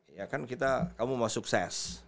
ya kan kita kamu mau sukses